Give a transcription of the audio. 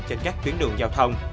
trên các tuyến đường giao thông